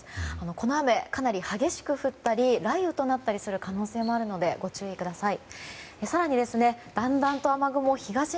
この雨、かなり激しく降ったり雷雨となったりする可能性もあるのでご注意ください。